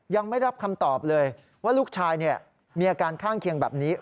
ยังไม่รับคำตอบเลยว่าลูกชายมีอาการข้างเคียงแบบนี้